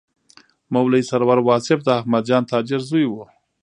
مولوي سرور واصف د احمدجان تاجر زوی و.